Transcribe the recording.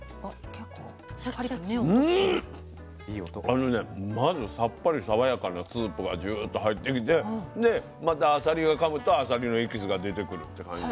あのねまずさっぱり爽やかなスープがジューッと入ってきてでまたあさりをかむとあさりのエキスが出てくるって感じ。